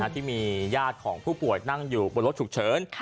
ที่มีญาติของผู้ป่วยนั่งอยู่บนรถฉุกเฉิน